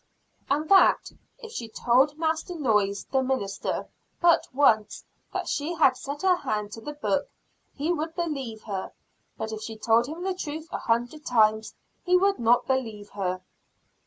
And that, "if she told Master Noyes, the minister, but once that she had set her hand to the book, he would believe her; but if she told him the truth a hundred times, he would not believe her."